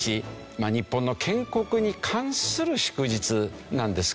日本の建国に関する祝日なんですけれど。